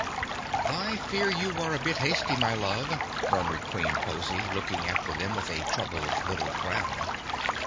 "I fear you were a bit hasty, my love," murmured Queen Pozy, looking after them with a troubled little frown.